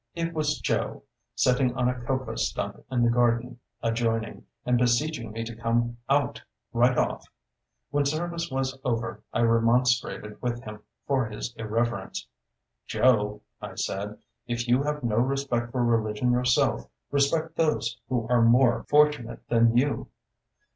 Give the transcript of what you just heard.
It was Joe, sitting on a cocoa stump in the garden adjoining, and beseeching me to come out, right off. When service was over, I remonstrated with him for his irreverence. "Joe," I said, "if you have no respect for religion yourself, respect those who are more fortunate than you."